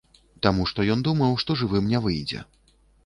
Таму што ён думаў, што жывым не выйдзе.